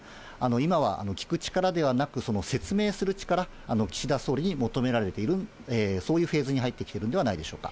今は聞く力ではなく、その説明する力、岸田総理に求められている、そういうフェーズに入ってきているんではないでしょうか。